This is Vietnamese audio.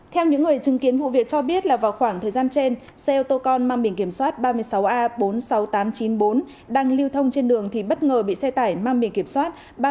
theo những người chứng kiến vụ việc cho biết là vào khoảng thời gian trên xe ô tô con mang biển kiểm soát ba mươi sáu a bốn mươi sáu nghìn tám trăm chín mươi bốn đang lưu thông trên đường thì bất ngờ bị xe tải mang biển kiểm soát